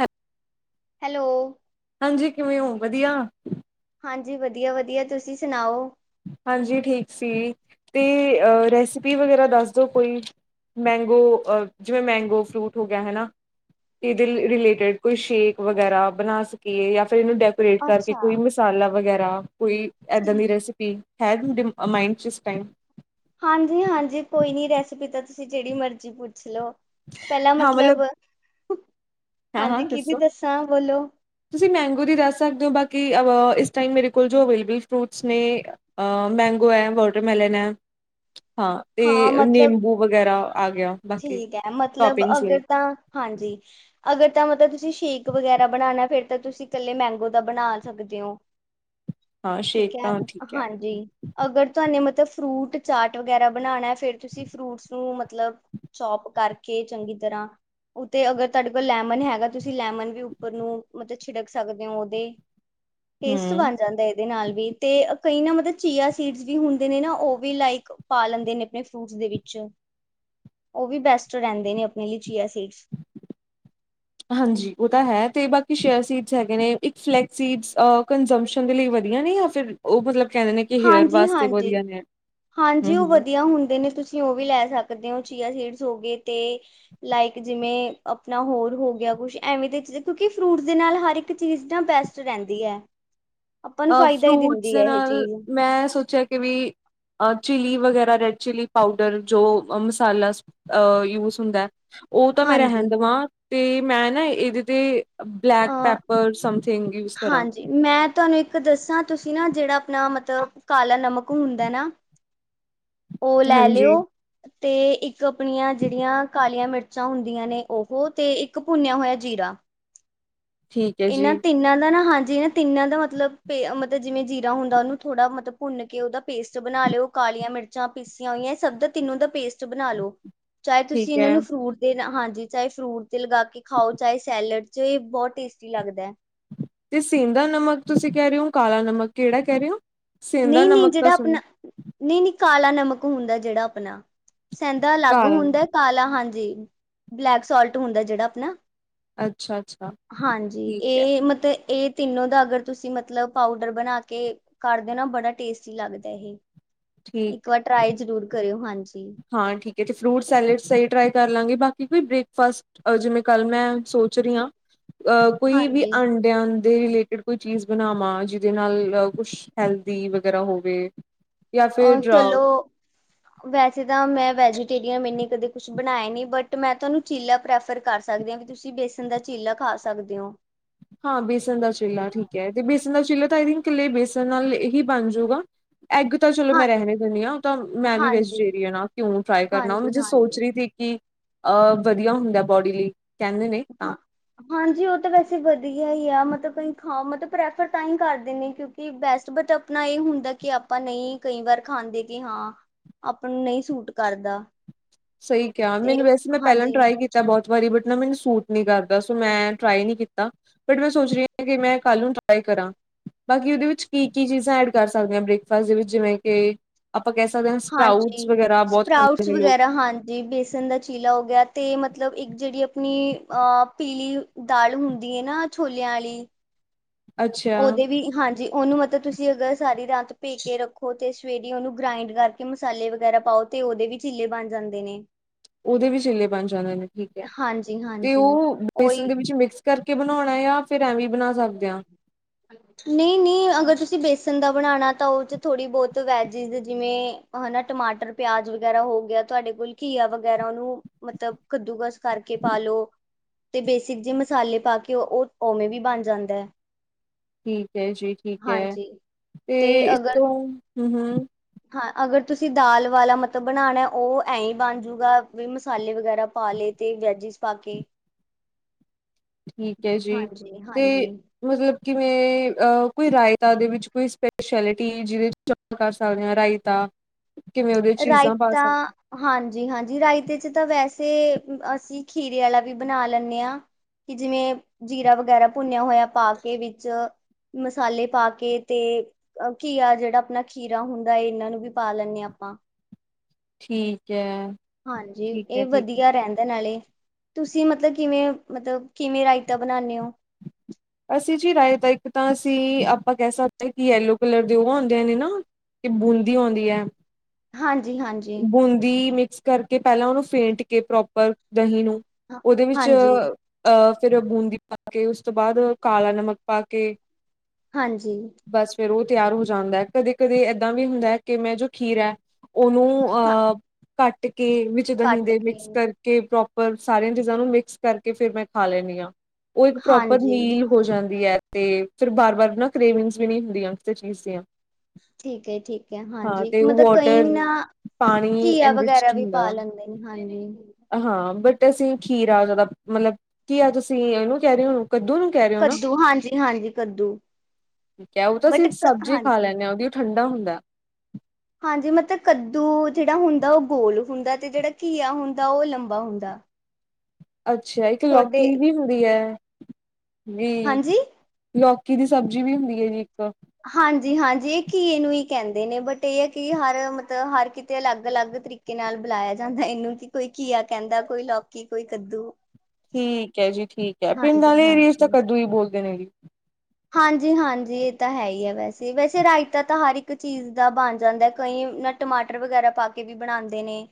ਹੈ ਹੈਲੋ! ਹਾਂਜੀ, ਕਿਵੇਂ ਹੋ ਵਧੀਆ? ਹਾਂਜੀ, ਵਦੀਆ ਵਦੀਆ, ਤੁਸੀਂ ਸੁਣਾਓ? ਹਾਂਜੀ, ਠੀਕ ਸੀ ਤੇ ਰੈਸਿਪੀ ਵਗੈਰਾ, ਦੱਸ ਦੋ ਕੋਈ। ਮੈਂਗੋ, ਅ ਜਿਵੇਂ ਮੈਂਗੋ ਫਰੂਟ ਹੋ ਗਿਆ ਹੈਨਾ। ਇਦੇ ਰਿਲੇਟਿਡ, ਕੋਈ ਸ਼ੇਕ ਵਗੈਰਾ ਬਣਾ ਸਕੀਏ, ਯਾ ਫੇਰ ਇਨੂੰ ਇਹਦੇ ਰਿਲੇਟਿਡ ਕਰਕੇ, ਅੱਛਾ। ਕੋਈ ਮਸਾਲਾ ਵਗੈਰਾ, ਕੋਈ ਏਦਾਂ ਦੀ ਰੈਸਿਪੀ ਪੀ, ਹੈ ਕੋਈ ਦਿ ਅ ਮਾਈਂਡ 'ਚ ਇਸ ਟਾਈਮ? ਹਾਂਜੀ-ਹਾਂਜੀ, ਕੋਈ ਨੀ ਰੈਸਪੀ ਤਾਂ ਤੁਸੀਂ ਜਿਹੜੀ ਮਰਜ਼ੀ ਪੁੱਛ ਲੋ। ਪਹਿਲਾਂ ਮਤਲਬ [inaudible] ਹਾਂ-ਹਾਂ, ਹਾਂਜੀ ਕਿਹਦੀ ਦੱਸੋ? ਦੱਸਾਂ ਬੋਲੋ ਤੁਸੀਂ ਮੈਂਗੋ ਦੀ ਦੱਸ ਸਕਦੇ ਓ, ਬਾਕੀ ਅ ਇਸ ਟਾਈਮ ਮੇਰੇ ਕੋਲ ਜੋ ਅਵੇਲੇਬਲ ਫਰੂਟਸ ਨੇ ਅ ਅ ਮੈਂਗੋ ਐ, ਵੋਟਰਮੈਲਨ ਐ ਹਾਂ, ਤੇ ਨਿੰਬੂ ਵਗੈਰਾ ਆ ਗਿਆ। ਬਾਕੀ ਠੀਕ ਐ ਮਤਲਬ ਟੋਪਿੰਗਸ ਲਈ ਅਗਰ ਤਾਂ, ਹਾਂਜੀ ਅਗਰ ਤਾਂ ਮਤਲਬ ਤੁਸੀਂ ਸ਼ੇਕ ਵਗੈਰਾ ਬਣਾਣੈ, ਫਿਰ ਤਾਂ ਤੁਸੀਂ ਕੱਲੇ ਮੈਂਗੋ ਦਾ ਬਣਾ ਸਕਦੇ ਓ। ਹਾਂ, ਸ਼ੇਕ ਤਾਂ ਠੀਕ ਐ। ਹਾਂਜੀ। ਅਗਰ ਤੁਹਾਨੂੰ ਮਤਲਬ ਫਰੂਟ ਚਾਟ ਵਗੈਰਾ ਬਣਾਉਣਾ, ਫੇਰ ਤੁਸੀਂ ਫਰੂਟਸ ਨੂੰ ਮਤਲਬ ਚੌਪ ਕਾਰਕੇ, ਚੰਗੀ ਤਰ੍ਹਾਂ ਉਤੇ, ਅਗਰ ਤੁਹਾਡੇ ਕੋਲ ਲੈਮਨ ਹੈਗਾ, ਤੁਸੀਂ ਲੈਮਨ ਵੀ ਉੱਪਰ ਨੂੰ ਮਤਲਬ ਛਿੜਕ ਸਕਦੇ ਹੋ ਉਦੇ। ਟੇਸਟ ਹਮ ਬਾਣ ਜਾਂਦਾ ਦੇ ਨਾਲ ਵੀ, ਤੇ ਕਈ ਨਾ ਮਤਲਬ ਚੀਆ ਸੀਡਸ ਵੀ ਹੁੰਦੇ ਨੇ ਨਾ, ਉ ਵੀ ਲਾਈਕ ਪਾ ਲੈਂਦੇ ਨੇ, ਆਪਣੇ ਫਰੂਟਸ ਦੇ ਵਿੱਚ। ਉਵੀ ਬੈਸਟ ਰਹਿੰਦੇ ਨੇ ਆਪਣੇ ਲਈ, ਚੀਆ ਸੀਡਸ। ਹਾਂਜੀ, ਉਹ ਤਾਂ ਹੈ ਤੇ ਬਾਕੀ ਸ਼ੇਅਰ ਸੀਡਸ ਹੈਗੇ ਨੇ, ਇੱਕ ਫਲੈਕਸ ਸੀਡ, ਕੰਜਮਪਸ਼ਨ ਦੇ ਲਈ ਵਧੀਆ ਨੇ [unintelligible] ਉਹ ਮਤਲਬ ਕੈਦੇ ਨੇ ਕਿ ਹੇਅਰ ਵਾਸਤੇ ਹਾਂਜੀ-ਹਾਂਜੀ, ਵਧੀਆ ਨੇ ਹਾਂਜੀ ਹਮ ਉ ਵਧੀਆ ਹੁੰਦੇ ਨੇ ਤੁਸੀਂ ਤੁਸੀਂ ਉਹ ਵੀ ਲੈ ਸਕਦੇ ਹੋ, ਚੀਆ ਸੀਡਸ ਹੋ ਗਏ ਤੇ ਲਾਈਕ ਜਿਵੇਂ, ਆਪਣਾ ਹੋਰ ਹੋ ਗਿਆ ਕੁਛ ਐਵੇਂ ਦੇ, ਕਿਉਂਕਿ ਫਰੂਟ ਦੇ ਨਾਲ ਹਰ ਇੱਕ ਚੀਜ਼ ਨਾ ਬੈਸਟ ਰੈਂਦੀ ੲੈ। ਅ ਫਰੂਟਸ ਦੇ ਇਹ ਨਾਲ, ਚੀਜ਼ ਮੈਂ ਸੋਚਿਆ ਕੇ ਵੀ ਅ ਚਿਲੀ ਵਗੈਰਾ, ਰੈੱਡ ਚਿਲੀ ਪਾਊਡਰ, ਜੋ ਮਸਾਲਾ ਅਹ ਯੂਜ ਹੁੰਦਾ, ਉਹ ਤਾਂ ਮੈਂ ਹਾਂਜੀ ਰੈਹਣ ਦੇ ਵਾਂ, ਤੇ ਮੈਂ ਨਾ ਏਦੇ 'ਤੇ ਬਲੈਕ ਅ ਪੈਪਰ, ਸਮਥਿੰਗ ਯੂਜ ਕਰਾਂ। ਹਾਂਜੀ ਮੈਂ ਤੁਵਾਨੂੰ ਇੱਕ ਇੱਕ ਦੱਸਾਂ, ਤੁਸੀਂ ਨਾ ਜਿਹੜਾ ਆਪਣਾ ਮਤਲਬ, ਕਾਲਾ ਨਮਕ ਹੁੰਦਾ ਨਾ ਉ ਲੈ ਲੇਓ। ਹਾਂਜੀ ਤੇ, ਇੱਕ ਆਪਣੀਆਂ ਜੇੜੀਆਂ ਕਾਲੀਆਂ ਮਿਰਚਾਂ ਹੁੰਦੀਆਂ ਨੇ ਉਹ, ਤੇ ਇੱਕ ਭੁੰਨਿਆ ਹੋਇਆ ਜੀਰਾ। ਠੀਕ। ਹੈ ਏਹਨਾਂ ਜੀ ਤਿੰਨਾਂ ਦਾ ਨਾ, ਹਾਂਜੀ ਏ ਤਿੰਨਾਂ ਦਾ ਮਤਲਬ ਪੇ ਮਤਲਬ, ਜਿਵੇਂ ਜੀਰਾ ਹੁੰਦਾ ਉਹਨੂੰ ਥੋੜਾ ਮਤਲਬ ਭੁੰਨ ਕੇ, ਉਦਾ ਪੇਸਟ ਬਣਾ ਲੇਓ। ਕਾਲੀਆਂ ਮਿਰਚਾਂ ਪੀਸੀਆਂ ਹੋਈਆਂ, ਇਹ ਸਭ ਦਾ ਤਿੰਨੋ ਦਾ ਪੇਸਟ ਬਣਾਲੋ। ਚਾਹੇ ਤੁਸੀਂ ਠੀਕ ਇਹਨਾਂ ਹੈ ਨੂੰ ਫਰੂਟ ਹਾਂਜੀ, ਚਾਹੇ ਫਰੂਟ' ਤੇ ਲਗਾ ਕੇ ਖਾਓ, ਚਾਹੇ ਸੈਲਡ 'ਚ, ਬੋਤ ਟੇਸਟੀ ਲੱਗਦਾ। ਤੇ ਸਿੰਦਾ ਨਮਕ ਤੁਸੀਂ ਕੈਰਹੇ ਹੋ, ਕਾਲਾ ਨਮਕ, ਕੇਹੜਾ ਕੈਰਹੇ ਹੋ? ਨਈ ਸੇਂਦਾ -ਨਈ, ਨਮਕ ਤਾਂ ਜੇਹੜਾ ਸੁਣੋ ਆਪਣਾ ਨਈ- ਨਈ, ਕਾਲਾ ਨਮਕ ਹੁੰਦਾ ਜਿਹੜਾ ਆਪਣਾ, ਸੈਂਦਾ ਲਾਗ ਕਾਲਾ ਹੁੰਦਾ। ਨਮਕ ਕਾਲਾ ਹਾਂਜੀ, ਬਲੈਕ ਸਾਲਟ ਹੁੰਦਾ ਜੇਹੜਾ ਆਪਣਾ। ਅੱਛਾ ਅੱਛਾ ਹਾਂਜੀ, ਠੀਕ ਹੈ ਏ ਮਤ ਏ ਤਿੰਨੋ ਦਾ ਅਗਰ, ਤੁਸੀਂ ਮਤਲਬ ਪਾਊਡਰ ਬਣਾ ਕੇ ਕਰਦੇ ਨਾ, ਬੜਾ ਟੇਸਟੀ ਲੱਗਦਾ ਏਹ। ਇੱਕ ਠੀਕ ਹੈ ਵਾਰ ਟਰਾਈ ਜ਼ਰੂਰ ਕਰਿਓ, ਹਾਂਜੀ। ਹਾਂ ਠੀਕ ਹੈ, ਤੇ ਫਰੂਟ ਸੈਲਡ ਸਈ ਟਰਾਈ ਕਾਰ ਲਾਗੇ। ਬਾਕੀ ਕੋਈ ਬ੍ਰੇਕਫਾਸਟ ਅਜੇ ਜਿਵੇਂ ਕਾਲ ਮੈਂ ਸੋਚ ਰੀਆ, ਅਹ ਕੋਈ ਵੀ ਹਾਂਜੀ ਅੰਡ [inaudible] ਰਿਲੇਟਡ ਕੋਈ ਚੀਜ਼ ਬਨਾਵਾਂ ਜਿਦੇ ਨਾਲ ਕੁਛ ਹੈਲਦੀ ਵਗੈਰਾ ਹੋਵੇ? ਜਾਂ ਅ, ਫਿਰ ਚਲੋ [inaudible] ਵੈਸੇ ਤਾਂ ਮੈਂ ਵੈਜੀਟੇਰੀਅਨ, ਮੈਂਨੇ ਕਦੇ ਕੁਛ ਬਨਾਏਆ ਨੀਂ, ਬਟ ਮੈਂ ਤੁਆਨੂੰ ਚੀਲਾ ਪ੍ਰੈਫਰ ਕਰ ਸਕਦੀ ਆਂ ਤੁਸੀ ਬੇਸਨ ਦਾ ਚੀਲਾ ਖਾ ਸਕਦੇਂ ਓ। ਹਾਂ, ਬੇਸਨ ਦਾ ਚੀਲਾ ਠੀਕ ਐ। ਤੇ ਬੇਸਨ ਦਾ ਚੀਲਾ ਤਾਂ ਆਏ ਥਿੰਕ, ਕੱਲੇ ਬੇਸਨ ਨਾਲ ਹੀ ਬਨ ਜੂਗਾ। ਐਗ ਤਾਂ ਚਲੋ, ਹਾਂ, ਮੈਂ ਰੈਹਨ ਈ ਦੇਨੀ ਆਂ। ਓ ਤਾਂ ਮੈਂ ਵੀ ਹਾਂਜੀ, ਵੈਜੀਟੇਰੀਅਨ ਆਂ, ਕਿਉਂ ਟਰਾਏ ਕਰਨਾ, ਹਾਂਜੀ, ਮੈ ਸੋਚ ਹਾਂਜੀ ਰੀ ਥੀ ਕਿ ਅ, ਵਦੀਆ ਹੁੰਦਾ ਬੋਡੀ ਲਈ, ਕੈਂਦੇ ਨੇ ਹਾਂ। ਹਾਂਜੀ, ਓ ਤਾਂ ਵੈਸੇ ਵਧੀਆ ਈ ਆ, ਮਤਬ ਕਈ ਖਾ ਮਤਬ ਪ੍ਰੈਫਰ ਤਾਂ ਈ ਕਰਦੇ ਨੇ ਕਿਉਂਕਿ ਬੈਸਟ, ਬਟ ਅਪਨਾ ਏਹ ਹੁੰਦਾ ਕਿ, ਆਪਾਂ ਨਈ ਕਈ ਵਾਰ ਖਾਂਦੇ ਕਿ ਹਾਂ ਆਪਾਂ ਨੂੰ ਨਈ ਸੂਟ ਕਰਦਾ। ਸਈ ਕੇਆ, ਤੇ ਮੈਨੂੰ ਵੈਸੇ ਮੈਂ ਪੈਲਾਂ ਹਾਂਜੀ ਟਰਾਈ ਕੀ ਤਾ ਬੌਤ ਵਾਰੀ, ਬਟ ਨਾ ਮੈਨੂੰ ਸੂਟ ਨੀਂ ਕਰਦਾ, ਸੋ ਮੈਂ ਟਰਾਈ ਨੀ ਕੀਤਾ। ਬਟ ਮੈਂ ਸੋਚ ਰੀ ਆਂ, ਕਿ ਮੈਂ ਕੱਲ ਨੂੰ ਟਰਾਈ ਕਰਾਂ। ਬਾਕੀ ਓਦੇ ਵਿੱਚ ਕੀ-ਕੀ ਚੀਜ਼ਾਂ ਐਡ ਕਰ ਸਕਦੇ ਆਂ ਬ੍ਰੇਕਫਾਸਟ ਦੇ ਵਿੱਚ ਜਿਵੇਂ ਕਿ ਆਪਾਂ ਕੇਹ ਸਕਦੇ ਆਂ, ਸਪਰਾਊਟਸ ਹਾਂਜੀ। ਵਗੈਰਾ ਬੌਤ ਖਾਂਦੇ ਨੇ ਲੋਕ। ਜੀ, ਬੇਸਨ ਦਾ ਚੀਲਾ ਹੋ ਗੇਆ, ਤੇ ਮਤਲਬ ਇੱਕ ਜੇਹੜੀ ਅਪਨੀ ਅ ਪੀਲੀ ਦਾਲ ਹੁੰਦੀ ਐ ਨਾ ਛੋਲੇਆਂ ਆਲੀ ਅੱਛਾ ਓਦੇ ਵੀ, ਹਾਂਜੀ। ਓਨੂੰ ਮਤਬ ਤੁਸੀ ਅਗਰ ਸਾਰੀ ਰਾਤ ਭੇਕੇ ਰੱਖੋ ਤੇ, ਸਵੇਰੇ ਓਨੂੰ ਗ੍ਰੈਂਈਡ ਕਰਕੇ ਮਸਾਲੇ ਵਗੈਰਾ ਪਾਓ ਤੇ, ਓਦੇ ਵੀ ਚੀਲੇ ਬਨ ਜਾਂਦੇ ਨੇ। ਓਦੇ ਵੀ ਚੀਲੇ ਬਨ ਜਾਂਦੇ ਨੇ, ਠੀਕ ਐ। ਹਾਂਜੀ ਤੇ ਹਾਂਜੀ ਓ ਵੇਸਨ ਉਹੀ ਦੇ ਵਿੱਚ ਮਿਕਸ ਕਰਕੇ ਬਨਾਓਣਾ ਆ, ਯਾ ਫਿਰ ਐਂਵੀ ਬਨਾ ਸਕਦੇ ਆਂ? ਨੀਂ ਨੀਂ, ਅਗਰ ਤੁਸੀ ਬੇਸਨ ਦਾ ਬਨਾਣਾ ਤਾਂ ਓ 'ਚ ਥੋੜੀ ਬੌਤ ਵੈਜੇਸ ਜਿਵੇਂ ਹੈਨਾ ਟਮਾਟਰ, ਪੇਆਜ ਵਗੈਰਾ ਹੋ ਗੇਆ ਤੁਆਡੇ ਕੋਲ ਘੀਆ ਵਗੈਰਾ ਓਨੂੰ ਮਤਲਬ ਕੱਦੂਕਸ ਕਰਕੇ ਪਾ ਲੋ। ਤੇ, ਬੇਸੇਕ ਜੇ ਮਸਾਲੇ ਪਾ ਕੇ ਓ, ਓ ਓਵੇਂ ਵੀ ਬਨ ਜਾਂਦੈ। ਠੀਕ ਐ ਜੀ- ਠੀਕ ਐ, ਹਾਂਜੀ ਤੇ ਇਸ ਤੋਂ ਹੂੰ-ਹੂੰ। ਹਾਂ, ਅਗਰ ਤੁਸੀ ਦਾਲ ਵਾਲਾ ਮਤਬ ਬਨਾਣਾ ਓ ਐਂ ਈ ਬਨ ਜੂਗਾ ਵੀ ਮਸਾਲੇ ਵਗੈਰਾ ਪਾ ਲੇ ਤੇ ਵੈਜੇਸ ਪਾ ਕੇ। ਠੀਕ ਐ ਜੀ। ਹਾਂਜੀ ਤੇ ਹਾਂਜੀ ਮਤਲਬ ਕਿਵੇਂ ਅ ਕੋਈ ਰਾਏਤਾ ਦੇ ਵਿੱਚ ਕੋਈ ਸਪੈਸ਼ੈਲਟੀ ਜਿਦੇ ਕਰ ਸਕਦੇ ਆਂ, ਰਾਏਤਾ ਕਿਵੇਂ ਓਦੇ ਚੀਜ਼ਾਂ ਪਾ ਰਾਇਤਾ ਸਕਦੇ ਹਾਂਜੀ -ਹਾਂਜੀ, ਰਾਏਤੇ 'ਚ ਤਾਂ ਵੈਸੇ ਅਸੀ ਖੀਰੇ ਆਲਾ ਵੀ ਬਨਾ ਲੈਂਨੇ ਆਂ। ਕਿ, ਜਿਵੇਂ ਜੀਰਾ ਵਗੈਰਾ ਭੁੰਨੇਆ ਹੋਏਆ ਪਾ ਕੇ ਵਿੱਚ ਮਸਾਲੇ ਪਾ ਕੇ ਤੇ ਅ, ਘੀਆ ਜੇੜਾ ਆਪਨਾ ਖੀਰਾ ਹੁੰਦਾ ਏਨਾਂ ਨੂੰ ਵੀ ਪਾ ਲੈਂਨੇ ਆਂ ਆਪਾਂ ਠੀਕ ਐ। ਹਾਂਜੀ, ਏ ਵਦੀਆ ਰੈੰਦਾ ਨਾਲੇ। ਤੁਸੀਂ ਮਤਲਬ, ਕਿਵੇਂ ਮਤਲਬ ਕਿਵੇਂ ਰਾਏਤਾ ਬਨਾਂਨੇ ਓ? ਅਸੀਂ ਜੀ, ਰਾਏ ਤਾ ਇੱਕ ਤਾਂ ਅਸੀਂ, ਆਪਾਂ ਕੇਹ ਸਕਦੇ ਆਂ ਕਿ, ਯੈਲੋ ਕਲਰ ਦੇ ਓ ਹੁੰਦੇ ਨੇ ਨਾ ਕ, ਬੂੰਦੀ ਹੋਂਦੀ ਐ। ਹਾਂਜੀ ਹਾਂਜੀ ਬੂੰਦੀ ਮਿਕਸ ਕਰਕੇ ਪੈਲਾਂ ਓਨੂੰ ਫੇਂਟ ਕੇ ਪ੍ਰੋਪਰ ਦਹੀਂ ਨੂੰ ਹਾਂ ਓਦੇ ਵਿੱਚ ਹਾਂਜੀ ਅਹ ਫਿਰ ਬੂੰਦੀ ਪਾ ਕੇ, ਓਸ ਤੋਂ ਬਾਦ ਕਾਲਾ ਨਮਕ ਪਾ ਕੇ ਹਾਂਜੀ। ਬਸ ਫਿਰ ਉਹ ਤਿਆਰ ਹੋ ਜਾਂਦਾ ਹੈ। ਕਦੇ ਕਦੇ ਐਦਾਂ ਵੀ ਹੁੰਦਾ ਹੈ, ਕਿ ਮੈਂ ਜੋ ਖੀਰਾ ਉਹਨੂੰ ਹਾਂ ਅਹ ਕੱਟ ਕੇ ਵਿੱਚ ਦਹੀਂ ਕੱਟ ਦੇ ਕੇ ਮਿਕਸ ਕਰ ਕੇ ਪ੍ਰੋਪਰ ਸਾਰੀਆਂ ਚੀਜ਼ਾਂ ਨੂੰ ਮਿਕਸ ਕਰਕੇ ਫੇਰ ਮੈਂ ਖਾ ਲੈਂਦੀ ਹਾਂ ਉਹ ਇੱਕ ਪ੍ਰੋਪਰ ਹਾਂਜੀ ਮੀਲ ਹੋ ਜਾਂਦੀ ਹੈ। ਤੇ ਫੇਰ ਬਾਰ ਬਾਰ ਨਾ ਕਰੇਵਿੰਗਸ ਵੀ ਨਹੀਂ ਹੁੰਦੀਆਂ ਕਿਸੇ ਚੀਜ਼ ਦੀਆਂ ਠੀਕ ਹੈ, ਠੀਕ ਹੈ, ਹਾਂ ਹਾਂਜੀ ਤੇ ਉਹ ਮਤਲਬ ਕਈ ਵਾਟਰ ਨਾ ਪਾਣੀ ਘੀਆ ਵਗੈਰਾ ਐਨਰਿਚਡ ਵੀ ਪਾ ਹੁੰਦਾ ਲੈਂਦੇ ਨੇ ਹਾਂਜੀ ਹਾਂ ਬਟ ਅਸੀਂ ਖੀਰਾ ਜ਼ਿਆਦਾ ਮਤਲਬ ਘੀਆ ਤੁਸੀਂ ਇਹਨੂੰ ਕਹਿ ਰਹੇ ਹੋ ਕੱਦੂ ਨੂੰ ਕਹਿ ਰਹੇ ਹੋ ਨਾ ਕੱਦੂ ਹਾਂਜੀ ਹਾਂਜੀ ਕੱਦੂ ਠੀਕ ਹੈ ਉਹ ਤਾਂ ਬਟ ਅਸੀਂ ਸਬਜ਼ੀ ਖਾ ਹਾਂਜੀ ਲੈਂਦੇ ਹਾਂ ਉਹਦੀ ਠੰਡਾ ਹੁੰਦਾ ਹਾਂਜੀ ਮਤਲਬ ਕੱਦੂ ਜੇਹੜਾ ਹੁੰਦਾ ਉਹ ਗੋਲ ਹੁੰਦਾ ਤੇ ਜਿਹੜਾ ਘੀਆ ਹੁੰਦਾ ਉਹ ਲੰਬਾ ਹੁੰਦਾ ਅੱਛਾ ਇੱਕ ਤੁਹਾਡੇ ਲੋਕੀ ਵੀ ਹੁੰਦੀ ਹੈ ਜੀ ਹਾਂਜੀ ਲੌਕੀ ਦੀ ਸਬਜ਼ੀ ਵੀ ਹੁੰਦੀ ਜੀ ਇੱਕ ਹਾਂਜੀ- ਹਾਂਜੀ ਇਹ ਘੀਏ ਨੂੰ ਹੀ ਕਹਿੰਦੇ ਨੇ ਬਟ ਇਹ ਹੈ ਕਿ ਹਰ ਮਤਲਬ ਹਰ ਕਿਤੇ ਅਲੱਗ -ਅਲੱਗ ਤਰੀਕੇ ਤਰੀਕੇ ਨਾਲ ਬੁਲਾਇਆ ਜਾਂਦਾ ਇਹਨੂੰ ਕਿ ਕੋਈ ਘੀਆ ਕਹਿੰਦਾ ਕੋਈ ਲੌਕੀ ਕੋਈ ਕੱਦੂ ਠੀਕ ਹੈ ਜੀ ਠੀਕ ਹੈ ਪਿੰਡ ਵਾਲੇ ਏਰੀਏ 'ਚ ਤਾਂ ਹਾਂਜੀ-ਹਾਂਜੀ। ਕਦੁੂ ਹੀ ਬੋਲਦੇ ਨੇ ਜੀ ਹਾਂਜੀ -ਹਾਂਜੀ ਇਹ ਤੇ ਹੈ ਹੀ ਹੈ ਵੈਸੇ, ਵੈਸੇ ਰਾਇਤਾ ਤਾਂ ਹਰ ਇੱਕ ਚੀਜ਼ ਦਾ ਬਣ ਜਾਂਦਾ ਕਈ ਨਟ ਟਮਾਟਰ ਵਗੈਰਾ ਪਾ ਕੇ ਵੀ ਬਣਾਉਂਦੇ ਨੇ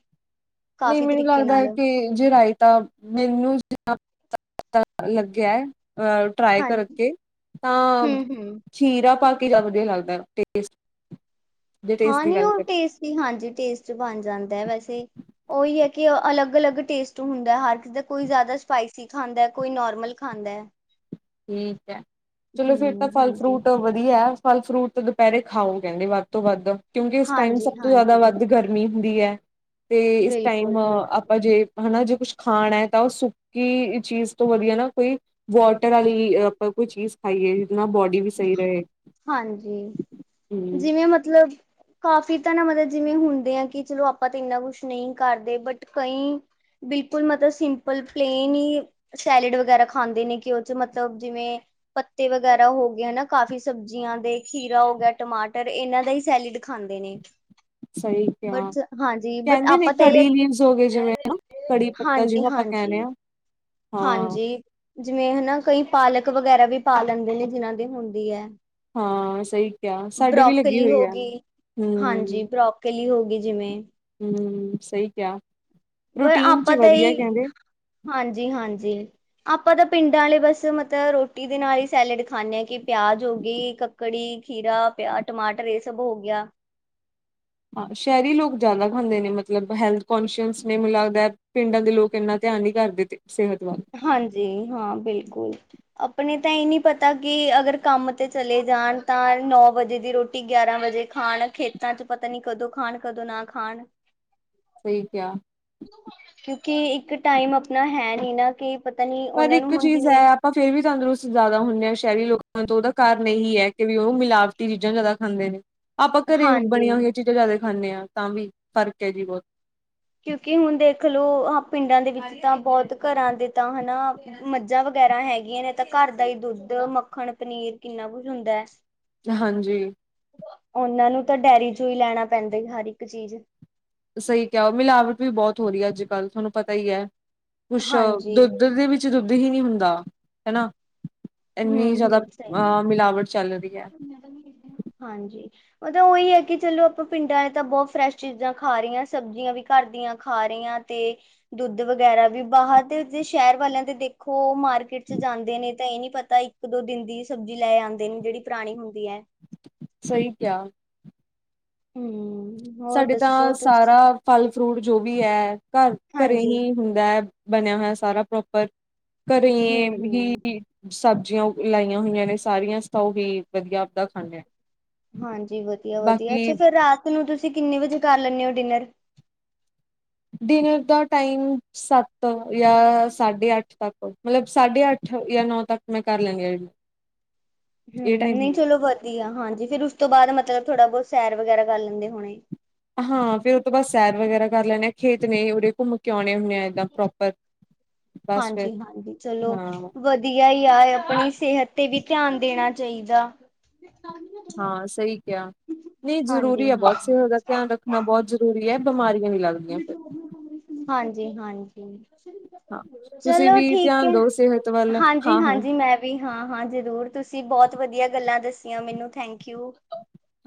ਨਹੀਂ ਕਾਫੀ ਮੈਨੂੰ ਤਰੀਕੇ ਲੱਗਦਾ ਨਾਲ ਹੈ ਕਿ ਜੇ ਰਾਇਤਾ ਮੈਨੂੰ ਜਾਂ ਪ ਲੱਗਿਆ ਅਹ ਟਰਾਈ ਹਾਂਜੀ ਕਰਕੇ ਤਾਂ, ਹੂੰ-ਹੂੰ ਚੀਰਾ ਪਾ ਕੇ ਜਿਆਦਾ ਵਧੀਆ ਲੱਗਦਾ ਟੇਸਟ ਜੇ ਟੇਸਟ ਹਾਂ ਦੀ ਨੀ ਗੱਲ ਉਹ ਟੇਸਟੀ ਹਾਂਜੀ ਟੇਸਟ ਬਣ ਜਾਂਦਾ ਆ ਵੈਸੇ ਉਹੀ ਆ ਕਿ ਅਲੱਗ- ਅਲੱਗ ਟੇਸਟ ਹੁੰਦਾ ਆ ਹਰ ਕਿਸੇ ਦਾ ਕੋਈ ਜਿਆਦਾ ਸਪਾਈਸੀ ਖਾਂਦਾ ਕੋਈ ਨੋਰਮਲ ਖਾਂਦਾ। ਠੀਕ ਹੈ, ਚਲੋ ਫਿਰ ਤਾਂ ਹੂੰ, ਫਲ ਹਾਂਜੀ, ਫਰੂਟ ਵਧੀਆ ਵੀ ਹੈ ਫਲ ਫਰੂਟ ਦੁਪਹਿਰੇ ਖਾਓ ਕੈਂਦੇ ਵੱਧ ਤੋਂ ਵੱਧ। ਕਿਉਂਕਿ ਇਸ ਟਾਈਮ ਹਾਂਜੀ, ਸਭ ਤੋਂ ਜਿਆਦਾ ਹਾਂਜੀ, ਵੱਧ ਗਰਮੀ ਹੁੰਦੀ ਐ, ਤੇ ਇਸ ਟਾਈਮ ਬਿਲਕੁਲ, ਬਿਲਕੁਲ। ਆਪਾਂ ਜੇ ਹਨਾ ਜੇ ਕੁਛ ਖਾਣਾ ਹੈ ਤਾਂ ਉਹ ਸੁੱਕੀ ਚੀਜ਼ ਤੋਂ ਵਧੀਆ ਨਾ ਕੋਈ ਵਾ ਬੋਟਰ ਵਾਲੀ ਆਪਾਂ ਕੋਈ ਚੀਜ਼ ਖਾਈਏ ਜਿਹਨਾ ਬੋ ਹ ਹਾਂਜੀ, ਹਮ ਜਿਵੇਂ ਮਤਲਬ ਕਾਫ਼ੀ ਤਾਂ ਨਾ ਮਤਲਬ ਜਿਵੇਂ ਹੁੰਦੇ ਆ ਕਿ ਚਲੋ ਆਪਾਂ ਤਾਂ ਇੰਨਾ ਕੁਛ ਨਹੀ ਕਰਦੇ ਬਟ ਕਈਂ ਬਿਲਕੁਲ ਮਤਲਬ ਸਿੰਪਲ ਪਲੇਨ ਈ ਸੈਲਡ ਵਗੈਰਾ ਖਾਂਦੇ ਨੇ ਕਿ ਉਹ 'ਚ ਮਤਲਬ ਜਿਵੇਂ ਪੱਤੇ ਵਗੈਰਾ ਹੋ ਗੇ ਹਨਾ ਕਾਫੀ ਸਬਜ਼ੀਆਂ ਦੇ ਖੀਰਾ ਹੋ ਗਿਆ ਟਮਾਟਰ ਇਹਨਾਂ ਦਾ ਈ ਸੈਲਿਡ ਖਾਂਦੇ ਨੇ। ਸਹੀ ਕਿਹਾ ਬਟ ਹਾਂਜੀ ਬਟ ਕਹਿੰਦੇ ਨੇ ਆਪਾਂ ਤੇ ਕੜੀ ਲੀਵਸ ਹੋ ਗਏ ਜਿਵੇਂ ਕੜੀ ਪੱਤਾ ਹਾਂਜੀ- ਜਿਹਨੂੰ ਆਪਾਂ ਕਹਿੰਦੇ ਹਾਂਜੀ, ਹਾਂ ਹਾਂ ਹਾਂਜੀ ਜਿਵੇਂ ਹਨਾ ਕਈ ਪਾਲਕ ਵਗੈਰਾ ਵੀ ਪਾ ਲੈਂਦੇ ਨੇ ਜਿਹਨਾਂ ਦੀ ਹੁੰਦੀ ਐ। ਹਾਂ ਸਹੀ ਕਿਹਾ ਸਾਡੇ ਵੀ ਲੱਗੀ ਬਰੋਕਲੀ ਹੋਈ ਹੋ ਹੈ ਗਈ ਹਾਂਜੀ ਬਰੋ ਕਲੀ ਹੋ ਗਈ ਜਿਵੇਂ ਹੂੰਮ ਸਈ ਕਿਆ। ਪਰ ਆਪਾਂ ਤਾਂ ਈ ਹਾਂਜੀ- ਹਾਂਜੀ। ਆਪਾਂ ਤਾਂ ਪਿੰਡਾਂ ਵਾਲੇ ਬਸ ਮਤਲਬ ਰੋਟੀ ਦੇ ਨਾਲ ਈ ਸੈਲਡ ਖਾਂਦੇ ਆ ਕਿ ਪਿਆਜ ਹੋ ਗਈ ਕ ਕੜੀ ਖੀਰਾ ਪਿਆਜ ਟਮਾਟਰ ਇਹ ਸਭ ਹੋ ਗਿਆ ਹਾਂ ਛੈਹਿਰੀ ਲੋਕ ਜਿਆਦਾ ਖਾਂਦੇ ਨੇ ਮਤਲਬ ਹੈਲਥ ਕੋਨਸ਼ੀਅਸ ਨੇ ਮੈਨੂੰ ਲੱਗਦਾ ਪਿੰਡਾਂ ਦੇ ਲੋਕ ਇੰਨਾ ਧਿਆਨ ਨੀ ਕਰਦੇ। ਤੇ ਸਿਹਤ ਵਲ ਹਾਂਜੀ ਹਾਂ ਬਿਲਕੁਲ। ਆਪਣੇ ਤਾਂ ਏ ਨੀ ਪਤਾਂ ਕਿ ਅਗਰ ਕੰਮ ਤੇ ਚਲੇਂ ਜਾਂਣ ਤਾਂ, ਨੌ ਵਜੇ ਦੀ ਰੋਟੀ ਗਿਆਰਾਂ ਵਜੇ ਖ਼ਾਣ ਖੇਤਾਂ ਚ ਪਤਾਂ ਨੀਂ ਕਦੋਂ ਖ਼ਾਣ ਕਦੋਂ ਨਾ ਖਾਣ। ਸਹੀ ਕਿਆ। ਕਿਉਂਕਿ ਇੱਕ ਟਾਇਮ ਆਪਣਾਂ ਹੈ ਨੀ ਨਾ ਕੀ ਪਤਾਂ ਨੀ ਓਨਾਂ ਨੂੰ ਹੁਣ ਜਿਵੇਂ ਓ ਫੇਰ ਵੀ ਤੰਦਰੁਸਤ ਜ਼ਿਆਦਾ ਹੁੰਨੇ ਆ ਸਹਿਰੀ ਲੋਕਾਂ ਤੋਂ, ਓਦਾ ਕਾਰਨ ਏਹੀ ਆ ਕਿ ਵੀ ਓ ਮਿਲਾ ਵਟੀ ਚੀਜ਼ਾਂ ਜਾਦਾ ਖਾਂਦੇ ਨੇ, ਆਪਾਂ ਘਰੇ ਹਾਂਜੀ ਬਣੀਆਂ ਹੋਈਆਂ ਚੀਜ਼ਾਂ ਜਾਦਾ ਖਾਂਨੇ ਆ, ਤਾਂ ਵੀ ਫਰਕ ਹੈ ਜੀ ਬਹੁਤ। ਕਿਉਕਿ ਹੁਣ ਦੇਖਲੋ ਆ ਪਿੰਡਾਂ ਦੇ ਵਿੱਚ ਤਾਂ ਬਹੁਤ ਘਰਾਂ ਦੇ ਤਾਂ ਹਨਾ ਮੱਝਾਂ ਵਗੈਰਾ ਹੈਗੀਆਂ ਨੇ ਤਾਂ ਘਰ ਦਾ ਹੀ ਦੁੱਧ, ਮੱਖਣ, ਪਨੀਰ, ਕਿੰਨਾ ਕੱਛ ਹੁੰਦਾ ਐ। ਹਾਂਜੀ। ਉਹਨਾਂ ਨੂੰ ਤਾਂ ਡੇਅਰੀ ਚੋ ਈ ਲੈਣਾ ਪੈਂਦੀ ਹਰ ਇੱਕ ਚੀਜ਼। ਸਹੀ ਕਿਹਾ ਮਿਲਾਵਟ ਵੀ ਬਹੁਤ ਹੋ ਰਹੀ ਆ ਅੱਜ ਕੱਲ ਤੁਹਾਂਨੂੰ ਪਤਾਂ ਈ ਐ, ਕੁੱਛ ਹਾਂਜੀ ਦੁੱਧ ਦੇ ਵਿੱਚ ਦੁੱਧ ਹੀ ਨੀ ਹੁੰਦਾ, ਹਨਾ। ਹੂੰ ਏਨੀਂ ਜਿਆਦਾ ਹੂੰ ਸਹੀ ਆ ਗੱਲ। ਮਿਲਾਵਟ ਚੱਲ ਰਈ ਐ। ਹਾਂਜੀ ਮਤਲਬ ਓਈ ਆ ਕਿ ਚਲੋ ਆਪਾਂ ਪਿੰਡਾਂ ਨੇ ਤਾਂ ਬਹੁਤ ਫਰੈਸ਼ ਚੀਜ਼ਾਂ ਖਾ ਰੇ ਆ ਸਬਜ਼ੀਆਂ ਵੀ ਘਰ ਦੀਆਂ ਖਾ ਰੇ ਆਂ ਤੇ ਦੁੱਧ ਵਗ਼ੈਰਾ ਵੀ, ਬਾਹਰ ਦੇ ਜੇ ਸ਼ਹਿਰ ਵਾਲਿਆਂ ਦੇ ਦੇਖ -ਓ ਮਾਰਕੀਟ ਚ ਜਾਂਦੇ ਨੇ ਤਾਂ ਏ ਨੀ ਪ ਤਾਂ ਇੱਕ ਦੋ ਦਿਨ ਦੀ ਸਬਜ਼ੀ ਲੈ ਆਂਦੇ ਨੇ ਜਿਹੜੀ ਪੁਰਾਣੀਂ ਹੁੰਦੀਂ ਐ। ਸਈ ਕਿਆ। ਹੂੰ। ਸਾਡੇ ਤਾਂ ਸਾਰਾ ਫਲ ਫਰੂਟ ਜੋ ਵੀ ਐ ਘਰ ਘਰੇ ਹਾਂਜੀ ਹੀ ਹੁੰਦਾ ਐ। ਬਣਿਆਂ ਹੋਇਆਂ ਸਾਰਾਂ ਪ੍ਰੋਪਰ, ਘਰੇ ਈ ਹਮ ਹਮ ਹੀ ਸਬਜ਼ੀਆਂ ਲਾਈਆਂ ਹੋਈਆਂ ਨੇ ਸਾਰੀਆਂ, ਅਸੀਂ ਤਾਂ ਉਹੀਂ ਵਧੀਆਂ ਆਪਦਾ ਖਾਂਨੇ ਆ। ਹਾਂਜੀ ਵਧੀਆਂ- ਵਧੀਆਂ ਅੱਛਾ ਫੇਰ ਰਾਤ ਨੂੰ ਤੁਸੀਂ ਕਿੰਨੇ ਵੱਜੇ ਕਰ ਲੈਂਦੇ ਹੋ ਡਿਨਰ? ਡਿੰਨਰ ਦਾ ਟਾਇਮ ਸੱਤ ਜਾਂ ਸਾਢੇ ਅੱਠ ਤੱਕ ਮਤਲਬ ਸਾਢੇ ਅੱਠ ਜਾਂ ਨੌ ਤੱਕ ਮੈਂ ਕਰ ਲੈਂਨੀ ਆ ਹੂੰ, ਨਹੀਂ ਚਲੋਂ ਵਧੀਆਂ ਹਾਂਜੀ ਫੇਰ ਉਸ ਤੋਂ ਬਾਅਦ ਮਤਲਬ ਥੋੜਾਂ ਬਹੁਤ ਸੈਰ ਵਗੈਰਾ ਕਰ ਲੈਂਦੇ ਹੋਣੇ? ਹਾਂ ਫੇਰ ਉਹ ਤੋਂ ਬਾਅਦ ਸੈਰ ਵਗੈਰਾ ਕਰ ਲੈਂਣੇ ਆ, ਖੇਤ ਨੇ ਉਰੇ ਘੁੰਮ ਕੇ ਆਉਣੇ ਹੁੰਨੇ ਆ। ਏਦਾਂ ਪ੍ਰੋਪਰ ਬਸ ਫਿਰ ਹਾਂਜੀ- ਹਾਂਜੀ ਚਲੋਂ ਹਾਂ ਵਧੀ ਵਧੀਆਂ ਹੀ ਆ ਆਪਣੀਂ ਸਿਹਤ ਤੇ ਵੀ ਧਿਆਂਨ ਦੇਣਾਂ ਚਾਹੀਂਦਾ। ਹਾਂ ਸਹੀ ਕਿਆ, ਨਹੀਂ ਹਾਂਜੀ ਜ਼ਰੂਰੀ ਹੈ ਹਾਂ ਬਹੁਤ ਸਿਹਤ ਦਾ ਧਿਆਨ ਰੱਖਣਾ ਬਹੁਤ ਜ਼ਰੂਰੀ ਐ। ਬਿਮਾਰੀਆਂ ਨੀ ਲੱਗਦੀਆਂ ਫਿਰ। ਹਾਂਜੀ -ਹਾਂਜੀ। ਹਾਂ ਤੁਸੀਂ ਚਲੋ ਵੀ ਠੀਕ ਧਿਆਨ ਹੈ, ਦਿਓ ਸਿਹਤ ਵੱਲ ਹਾਂਜੀ ਹਾਂ ਹਾਂ -ਹਾਂਜੀ ਮੈਂ ਵੀ ਹਾਂ -ਹਾਂ ਜ਼ਰੂਰ ਤੁਸੀਂ ਬਹੁਤ ਵਧੀਆ ਗੱਲਾਂ ਦੱਸੀਆਂ ਮੈਨੂੰ ਥੈਂਕ ਯੂ।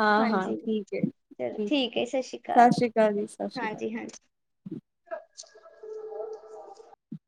ਹਾਂ ਹਾਂ ਹਾਂਜੀ ਠੀਕ ਚਲ ਠੀਕ ਹੈ, ਸਤਿ ਸ਼੍ਰੀ ਅਕਾਲ। ਕੱਲ ਦੀ ਹਾਂਜੀ- ਹਾਂਜੀ।